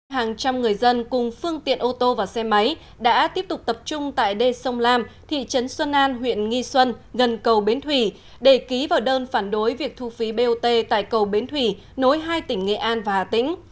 hàng trăm người dân cùng phương tiện ô tô và xe máy đã tiếp tục tập trung tại đê sông lam thị trấn xuân an huyện nghi xuân gần cầu bến thủy để ký vào đơn phản đối việc thu phí bot tại cầu bến thủy nối hai tỉnh nghệ an và hà tĩnh